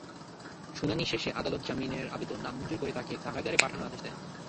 শুনানি শেষে আদালত জামিনের আবেদন নামঞ্জুর করে তাঁকে কারাগারে পাঠানোর আদেশ দেন।